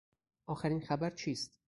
آخرین خبر چیست؟